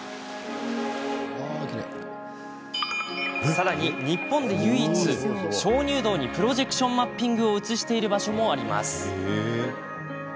さらに日本で唯一、鍾乳洞にプロジェクションマッピングを映している場所もあります。